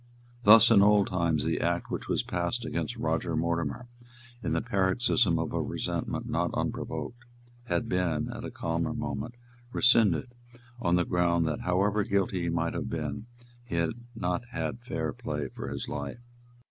Thus, in old times, the Act which was passed against Roger Mortimer, in the paroxysm of a resentment not unprovoked, had been, at a calmer moment, rescinded on the ground that, however guilty he might have been, he had not had fair play for his life.